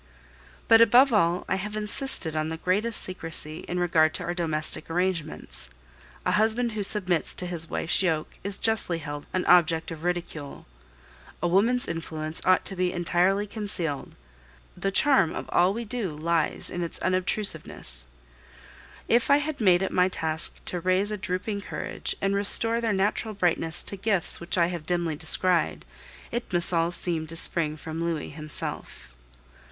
But, above all, I have insisted on the greatest secrecy in regard to our domestic arrangements. A husband who submits to his wife's yoke is justly held an object of ridicule. A woman's influence ought to be entirely concealed. The charm of all we do lies in its unobtrusiveness. If I have made it my task to raise a drooping courage and restore their natural brightness to gifts which I have dimly descried, it must all seem to spring from Louis himself.